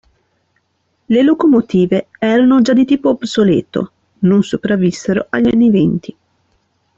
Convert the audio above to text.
Le locomotive erano già di tipo obsoleto: non sopravvissero agli anni venti.